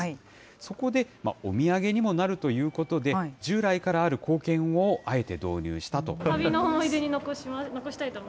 そこで、お土産にもなるということで、従来からある硬券をあえて導入したと。